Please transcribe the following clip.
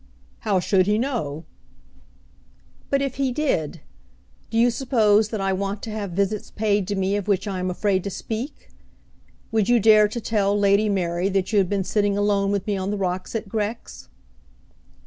"How should he know?" "But if he did? Do you suppose that I want to have visits paid to me of which I am afraid to speak? Would you dare to tell Lady Mary that you had been sitting alone with me on the rocks at Grex?"